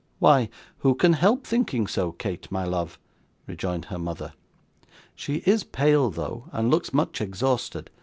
'Why, who can help thinking so, Kate, my love?' rejoined her mother. 'She is pale though, and looks much exhausted.